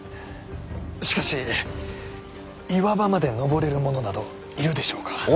しかし岩場まで登れる者などいるでしょうか。